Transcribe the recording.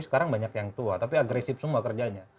sekarang banyak yang tua tapi agresif semua kerjanya